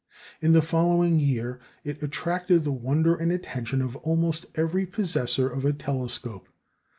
In the following year it attracted the wonder and attention of almost every possessor of a telescope.